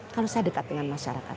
kalau saya dekat dengan masyarakat